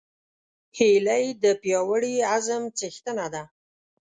هیلۍ د پیاوړي عزم څښتنه ده